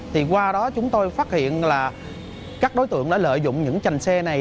thì qua đó chúng tôi phát hiện là các đối tượng đã lợi dụng những trành xe này